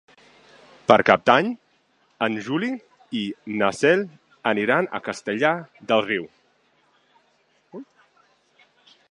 Per Cap d'Any en Juli i na Cel aniran a Castellar del Riu.